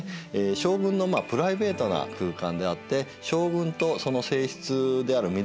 将軍のまあプライベートな空間であって将軍とその正室である御台所。